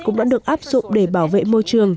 cũng đã được áp dụng để bảo vệ môi trường